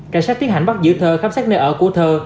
cảnh sát tiến hành bắt giữ thơ khám sát nơi ở cô thơ